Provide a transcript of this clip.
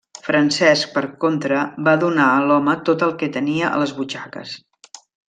Francesc, per contra, va donar a l'home tot el que tenia a les butxaques.